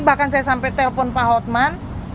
bahkan saya sampai telpon pak hotman